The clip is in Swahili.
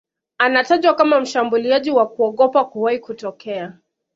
Anatajwa kama mshambuliaji wa kuogopwa kuwahi kutokea